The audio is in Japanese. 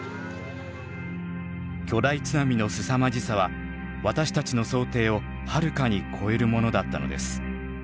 巨大津波のすさまじさは私たちの想定をはるかに超えるものだったのです。